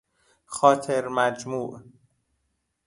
خاطر مجموع